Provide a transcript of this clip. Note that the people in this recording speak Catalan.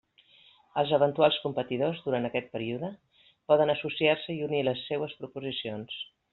Els eventuals competidors, durant aquest període, poden associar-se i unir les seues proposicions.